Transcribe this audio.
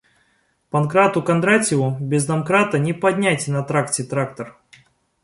Панкрату Кондратьеву без домкрата не поднять на тракте трактор.